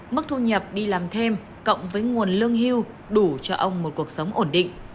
mức thu nhập đi làm thêm cộng với nguồn lương hưu đủ cho ông một cuộc sống ổn định